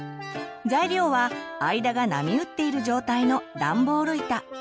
材料は間が波打っている状態のダンボール板。